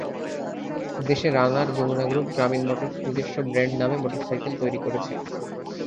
দেশে Runner, Jamuna Group, Grameen Motors নিজস্ব brand নামে মোটরসাইকেল তৈরি করছে।